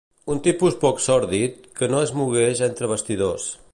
Un tipus poc sòrdid, que no es mogués entre bastidors.